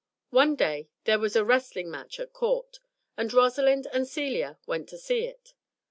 One day there was a wrestling match at court, and Rosalind and Celia went to see it.